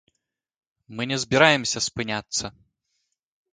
Мы не збіраемся спыняцца!